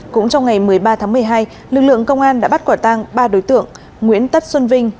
cũng trong ngày một mươi ba tháng một mươi hai lực lượng công an đã bắt quả tăng ba đối tượng nguyễn tất xuân vinh